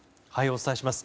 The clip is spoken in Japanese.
お伝えします。